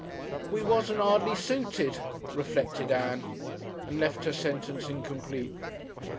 "We wasn't 'ardly suited," reflected Ann, and left her sentence incomplete.